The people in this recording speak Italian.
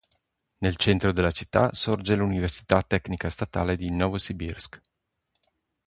Nel centro della città sorge l'università tecnica statale di Novosibirsk.